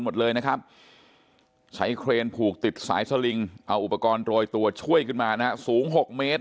หมดเลยนะครับใช้เครนผูกติดสายสลิงเอาอุปกรณ์โรยตัวช่วยขึ้นมานะฮะสูง๖เมตร